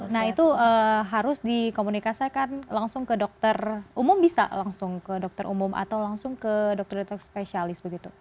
nah itu harus dikomunikasikan langsung ke dokter umum bisa langsung ke dokter umum atau langsung ke dokter dokter spesialis begitu